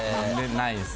ないですね。